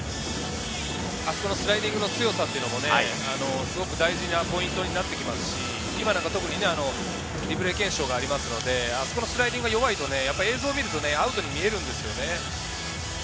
あそこのスライディングの強さというのもすごく大事なポイントになってきますし、今なんか特にリプレー検証がありますので、あそこのスライディングが弱いと映像で行くとアウトに見えるんですね。